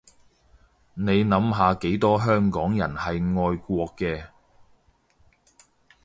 你諗下幾多香港人係愛國嘅